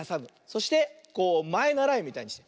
そしてこうまえならえみたいにして。